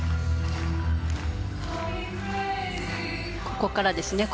ここからですね。